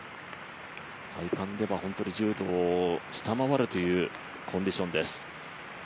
体感では本当に１０度を下回るというコンディションです。